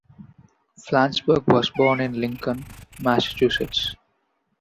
Flansburgh was born in Lincoln, Massachusetts.